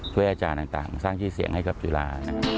ช่วยอาจารย์ต่างสร้างขี้เสียงให้กับจุฬา